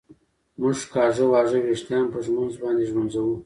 مونږ کاږه واږه وېښتان په ږمونځ باندي ږمنځوو